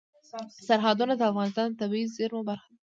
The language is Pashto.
سرحدونه د افغانستان د طبیعي زیرمو برخه ده.